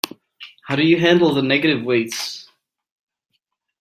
How do you handle the negative weights?